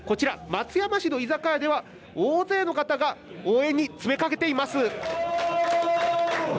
松山市の居酒屋では大勢の方が応援に詰めかけています。